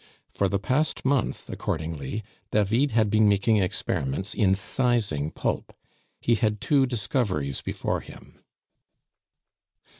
For the past month, accordingly, David had been making experiments in sizing pulp. He had two discoveries before him.